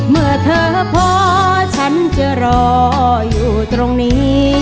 เมื่อเธอพอฉันจะรออยู่ตรงนี้